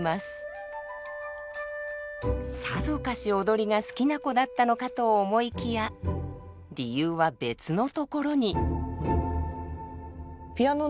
さぞかし踊りが好きな子だったのかと思いきや理由は別のところに。